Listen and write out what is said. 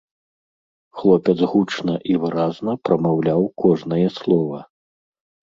Хлопец гучна і выразна прамаўляў кожнае слова.